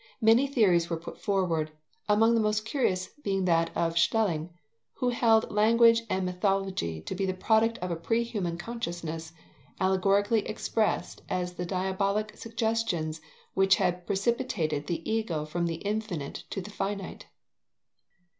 Many theories were put forward, among the most curious being that of Schelling, who held language and mythology to be the product of a pre human consciousness, allegorically expressed as the diabolic suggestions which had precipitated the Ego from the infinite to the finite.